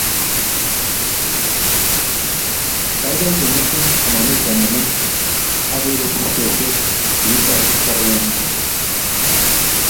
Keikei kengetu komomi tornatet akeeku tuppchosiek, kiitar choruenyi